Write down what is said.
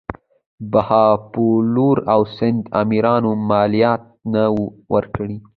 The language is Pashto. بهاولپور او سند امیرانو مالیات نه وه ورکړي.